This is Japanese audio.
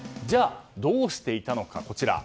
じゃあ、どうしていたのか。